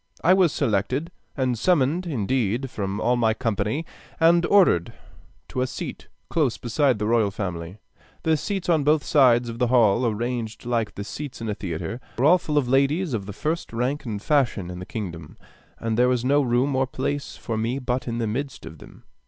I was selected, and summoned indeed, from all my company, and ordered to a seat close beside the royal family. The seats on both sides of the hall, arranged like the seats in a theatre, were all full of ladies of the first rank and fashion in the kingdom, and there was no room or place for me but in the midst of them.